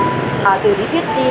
từ lý thuyết đi đến việc làm nó hơi khó